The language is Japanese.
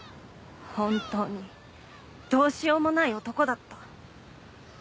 本当にどうしようもない男だった。